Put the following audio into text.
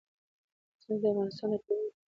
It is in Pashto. غزني د افغانستان د ټولنې لپاره بنسټيز رول لري.